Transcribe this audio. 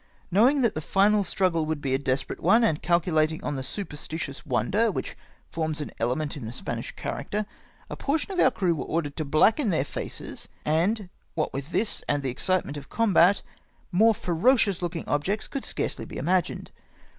Know ing that the final struggle woidd be a desperate one, and calculating on the superstitious wonder which forms an element in the Spanish character, a portion of om* crew were ordered to blacken their faces, and what with this and the excitement of combat, more ferocious looking objects could scarcely be imagined.